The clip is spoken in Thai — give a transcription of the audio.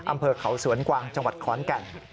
อำเภอเขาสวนกวางจังหวัดขอนแก่น